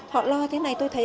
họ lo thế này tôi thấy